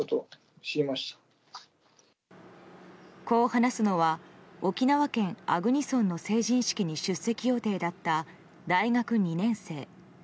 こう話すのは沖縄県粟国村の成人式に出席予定だった大学２年生。